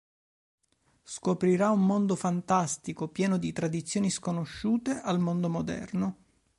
Scoprirà un mondo fantastico pieno di tradizioni sconosciute al mondo moderno.